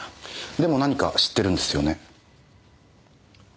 でも何か知ってるんですよね。